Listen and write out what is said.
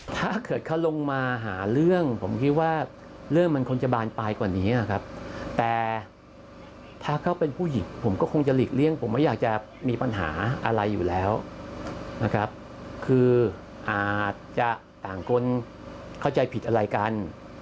ถ้าเกิดเขาลงมาหาเรื่องผมคิดว่าเรื่องมันคงจะบานปลายกว่านี้นะครับแต่ถ้าเขาเป็นผู้หญิงผมก็คงจะหลีกเลี่ยงผมไม่อยากจะมีปัญหาอะไรอยู่แล้วนะครับคืออาจจะต่างคนเข้าใจผิดอะไรกัน